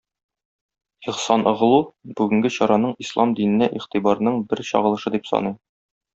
Ихсаноглу бүгенге чараның ислам диненә игътибарның бер чагылышы дип саный.